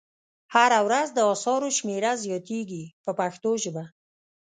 هره ورځ د اثارو شمېره زیاتیږي په پښتو ژبه.